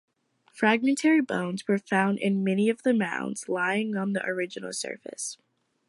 Fragmentary bones were found in many of the mounds lying on the original surface.